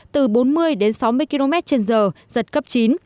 từ bốn mươi đến sáu mươi km trên giờ giật cấp chín